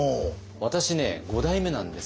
私ね五代目なんですけど。